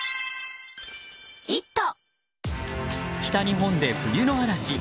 北日本で冬の嵐。